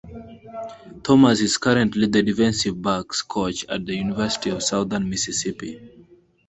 Thomas is currently the Defensive backs coach at the University of Southern Mississippi.